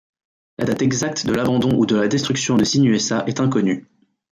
La date exacte de l'abandon ou de la destruction de Sinuessa est inconnue.